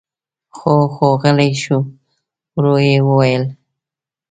جُوجُو غلی شو. ورو يې وويل: